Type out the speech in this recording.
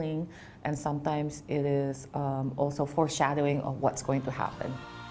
dan kadang kadang itu juga mencari penyelidikan apa yang akan terjadi